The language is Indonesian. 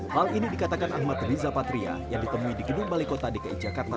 hal ini dikatakan ahmad riza patria yang ditemui di gedung balai kota dki jakarta